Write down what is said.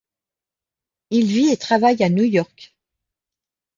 Il vit et travaille à New York.